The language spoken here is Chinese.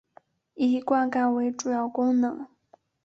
以灌溉为主要功能。